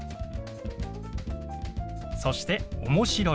そして「面白い」。